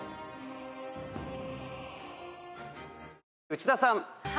内田さん。